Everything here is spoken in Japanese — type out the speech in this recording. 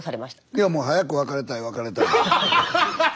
いやもう早く別れたい別れたいって。